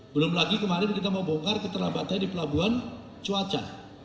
belum lagi kemarin kita mau bongkar keterlambatannya di pelabuhan cuaca